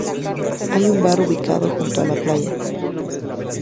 Hay un bar ubicado junto a la playa.